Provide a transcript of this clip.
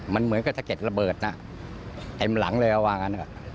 มันเหมือนกับสะเก็ดระเบิดนะเต็มหลังเลยว่างั้น